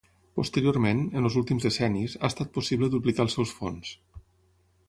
Posteriorment, en els últims decennis, ha estat possible duplicar els seus fons.